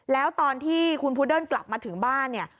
แล้วตอนที่คุณพูเดิ้ลกลับมาถึงบ้านเนี่ย